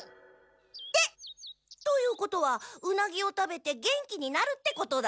って！ということはウナギを食べて元気になるってことだ。